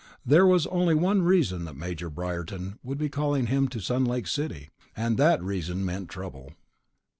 There was only one reason that Major Briarton would be calling him in to Sun Lake City, and that reason meant trouble.